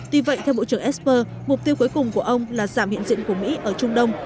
tuy vậy theo bộ trưởng esper mục tiêu cuối cùng của ông là giảm hiện diện của mỹ ở trung đông